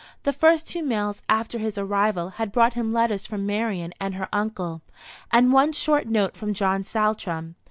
The first two mails after his arrival had brought him letters from Marian and her uncle, and one short note from John Saltram.